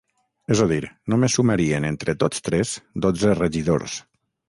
És a dir, només sumarien entre tots tres dotze regidors.